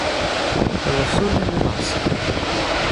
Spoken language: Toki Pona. telo suli li laso.